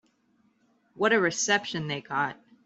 What a reception they got.